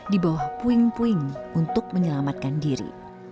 di bawah puing puing untuk menyelamatkan diri